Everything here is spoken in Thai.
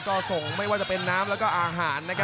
ก็ส่งไม่ว่าจะเป็นน้ำและก็อาหารนะครับ